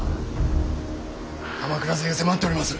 鎌倉勢が迫っております。